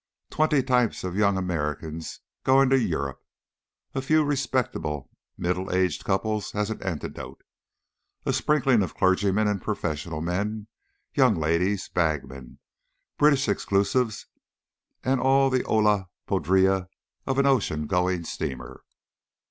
Twenty types of young America going to "Yurrup," a few respectable middle aged couples as an antidote, a sprinkling of clergymen and professional men, young ladies, bagmen, British exclusives, and all the olla podrida of an ocean going steamer.